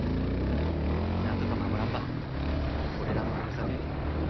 なんとか守らんば俺らのふるさとやけん。